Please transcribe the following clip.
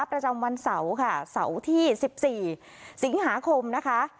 ประจำวันเสาร์ค่ะเสาร์ที่๑๔สิงหาคมนะคะ